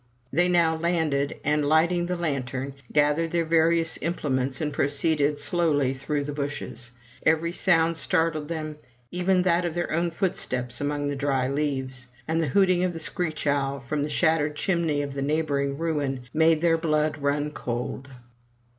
They now landed, and lighting the lantern, gathered their various implements and proceeded slowly through the bushes. Every sound startled them, even that of their own footsteps among the dry leaves; and the hooting of a screech owl, from the shattered chimney of the neighboring ruin, made their blood run cold.